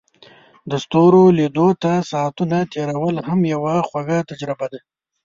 د ستورو لیدو ته ساعتونه تیرول هم یوه خوږه تجربه ده.